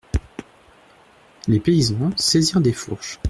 Les paysans saisirent des fourches.